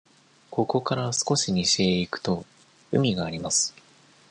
ここから少し西へ行くと、海があります。